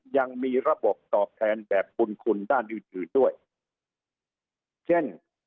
ยังมีระบบตอบแทนแบบบุญคุณด้านอื่นอื่นด้วยเช่น